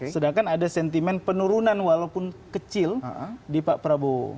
sedangkan ada sentimen penurunan walaupun kecil di pak prabowo